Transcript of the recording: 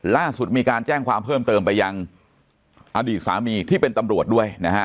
ล่าสุดมีการแจ้งความเพิ่มเติมไปยังอดีตสามีที่เป็นตำรวจด้วยนะฮะ